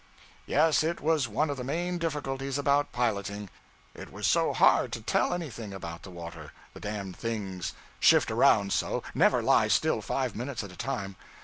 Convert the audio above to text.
'Yes, it was one of the main difficulties about piloting. It was so hard to tell anything about the water; the damned things shift around so never lie still five minutes at a time.